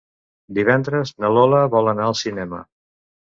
Divendres na Lola vol anar al cinema.